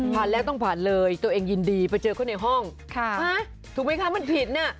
แล้วต้องผ่านเลยตัวเองยินดีไปเจอเขาในห้องถูกไหมคะมันผิดน่ะ